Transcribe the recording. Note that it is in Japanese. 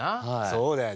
そうだよ。